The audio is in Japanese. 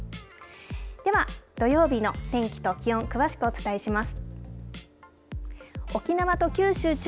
では土曜日の天気と気温詳しくお伝えします。